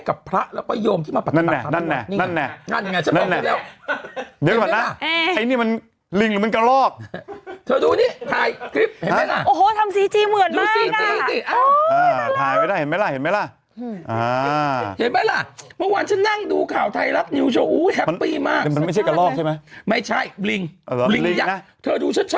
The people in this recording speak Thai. ก็พระคูณิเวศคิริรักษ์ที่เมื่อกี้เราพูด